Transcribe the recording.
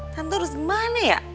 tante harus gimana ya